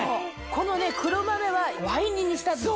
この黒豆はワイン煮にしたんですよ。